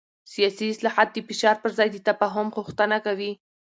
سیاسي اصلاحات د فشار پر ځای د تفاهم غوښتنه کوي